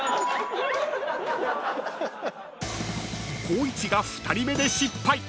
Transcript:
［光一が２人目で失敗！